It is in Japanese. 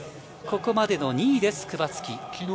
ここまでの２位です、クバツキ。